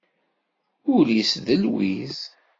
Ul-is d lwiz.